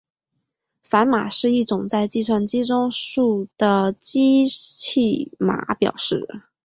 反码是一种在计算机中数的机器码表示。